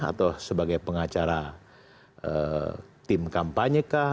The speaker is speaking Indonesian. atau sebagai pengacara tim kampanye kah